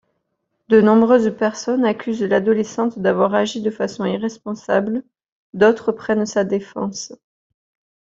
De nombreuses personnes accusent l'adolescente d'avoir agi de façon irresponsable, d'autres prennent sa défense.